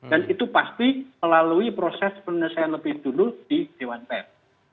dan itu pasti melalui proses penyesuaian lebih dulu di dewan pers